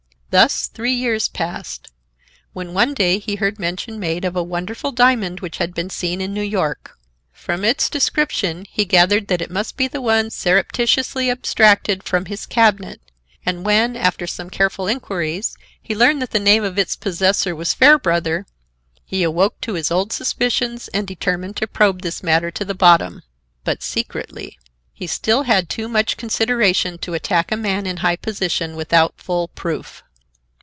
Thus three years passed, when one day he heard mention made of a wonderful diamond which had been seen in New York. From its description he gathered that it must be the one surreptitiously abstracted from his cabinet, and when, after some careful inquiries, he learned that the name of its possessor was Fairbrother, he awoke to his old suspicions and determined to probe this matter to the bottom. But secretly. He still had too much consideration to attack a man in high position without full proof.